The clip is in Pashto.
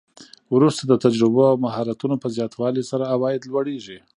وروسته د تجربو او مهارتونو په زیاتوالي سره عواید لوړیږي